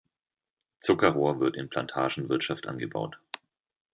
Zuckerrohr wird in Plantagenwirtschaft angebaut.